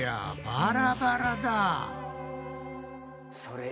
バラバラだ。